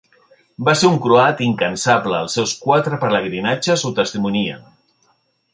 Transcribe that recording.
Va ser un croat incansable, els seus quatre pelegrinatges ho testimonien.